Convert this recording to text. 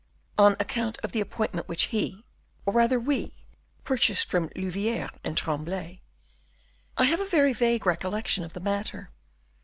"On account of the appointment which he, or rather we, purchased from Louviere and Tremblay." "I have a very vague recollection of the matter."